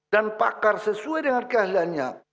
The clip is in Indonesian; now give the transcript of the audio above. dan pakar sesuai dengan keahliannya